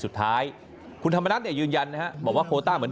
สุดท้ายคุณธรรมนัฐเนี่ยยืนยันนะฮะบอกว่าโคต้าเหมือน